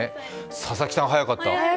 佐々木さん、早かった。